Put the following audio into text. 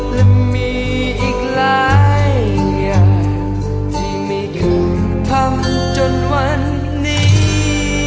และมีอีกหลายอย่างที่ไม่ถูกทำจนวันนี้